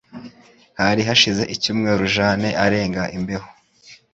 Hari hashize icyumweru Jane arenga imbeho